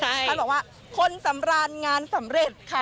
ท่านบอกว่าคนสำราญงานสำเร็จค่ะ